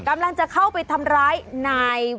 กำลังจะเข้าไปทำร้ายนาย